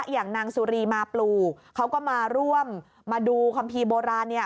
อย่างนางสุรีมาปลูเขาก็มาร่วมมาดูคัมภีร์โบราณเนี่ย